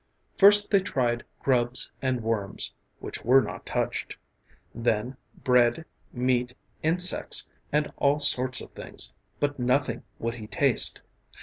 First they tried grubs and worms which were not touched; then bread, meat, insects and all sorts of things, but nothing would he taste.